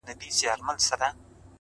د ښار د ميکدې ترخو اوبو ته انتظار دي-